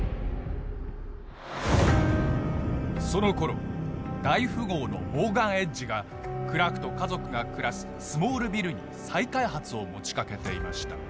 そのころ大富豪のモーガン・エッジがクラークと家族が暮らすスモールビルに再開発を持ちかけていました。